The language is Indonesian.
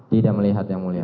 tidak melihat yang mulia